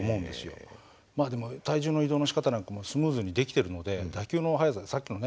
でも体重の移動のしかたなんかもスムーズにできてるので打球の速ささっきのね